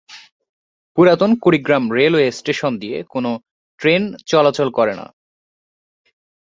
পুরাতন Kurigram railway station দিয়ে কোন ট্রেন চলাচল করে না।